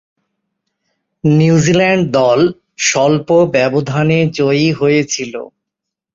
New Zealand দল স্বল্প ব্যবধানে জয়ী হয়েছিল।